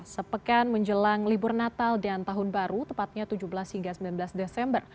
sepekan menjelang libur natal dan tahun baru tepatnya tujuh belas hingga sembilan belas desember